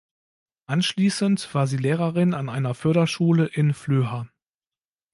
Anschließend war sie Lehrerin an einer Förderschule in Flöha.